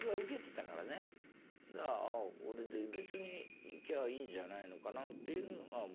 だからこれで別にいけばいいんじゃないのかなっていうのは思ったけどね。